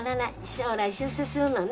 将来出世するのね。